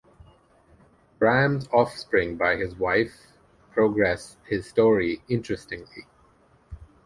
Braham's offspring by his wife progress his story interestingly.